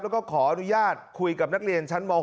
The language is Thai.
แล้วก็ขออนุญาตคุยกับนักเรียนชั้นม๖